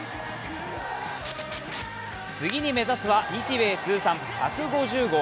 次に目指すは日米通算１５０号。